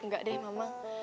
enggak deh mamang